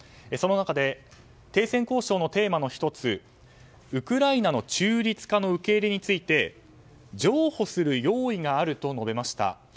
その中で停戦交渉のテーマの１つウクライナの中立化の受け入れについて譲歩する用意があると述べました。